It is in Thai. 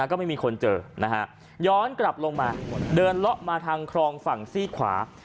ก็ไม่มีคนเจอนะฮะย้อนกลับลงมาเดินเลาะมาทางครองฝั่งซี่ขวา